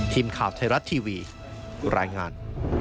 ทีมข่าวไทยรัฐทีวีรายงาน